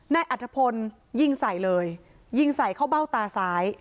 อัธพลยิงใส่เลยยิงใส่เข้าเบ้าตาซ้าย